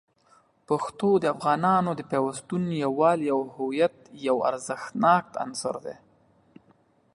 پښتو د افغانانو د پیوستون، یووالي، او هویت یو ارزښتناک عنصر دی.